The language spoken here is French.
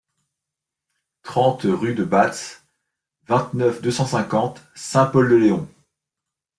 trente rue de Batz, vingt-neuf, deux cent cinquante, Saint-Pol-de-Léon